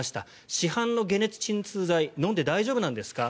市販の解熱鎮痛剤飲んで大丈夫なんですか？